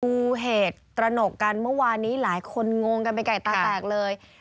ดูเหตุตระหนกกันเมื่อวานนี้หลายคนงงกันไปไก่ตาแตกเลย